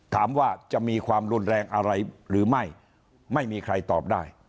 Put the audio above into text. ถามว่าจะมีความรุนแรงอะไรหรือไม่ไม่มีใครตอบได้